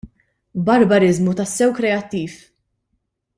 Barbariżmu tassew kreattiv!